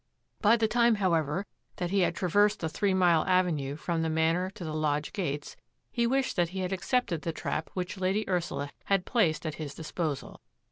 By the time, however, that he had traversed the three mile avenue from the Manor to the lodge gates, he wished that he had accepted the trap which Lady Ursula had placed at his disposal.